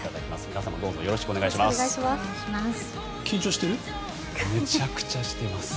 皆様、よろしくお願いします。